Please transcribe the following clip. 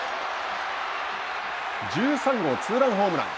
１３号ツーランホームラン。